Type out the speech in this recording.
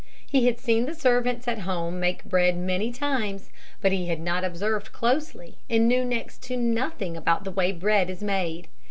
He had seen the servants at home make bread many times, but he had not observed closely and knew next to nothing about the way bread is made.